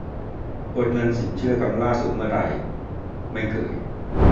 - กดเงินสินเชื่อครั้งล่าสุดเมื่อไหร่ : ไม่เคย